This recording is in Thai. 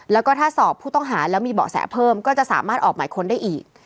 แล้วก็ถ้าสอบผู้ต้องหาแล้วมีเบาะแสเพิ่มก็จะสามารถออกหมายค้นได้อีก